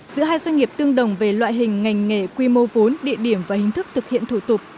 giữa hai doanh nghiệp tương đồng về loại hình ngành nghề quy mô vốn địa điểm và hình thức thực hiện thủ tục